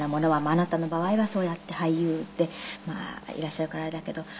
あなたの場合はそうやって俳優でいらっしゃるからあれだけど。